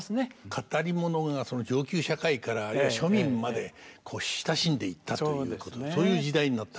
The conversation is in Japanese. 語り物が上級社会からあるいは庶民まで親しんでいったということそういう時代になったわけですか。